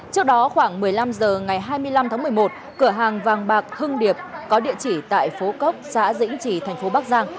trước đó khoảng một mươi năm h ngày hai mươi năm tháng một mươi một cửa hàng vàng bạc hưng điệp có địa chỉ tại phố cốc xã dĩnh trì thành phố bắc giang